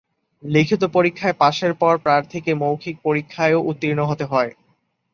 লিখিত পরীক্ষায় পাসের পর প্রার্থীকে মৌখিক পরীক্ষায়ও উত্তীর্ণ হতে হয়।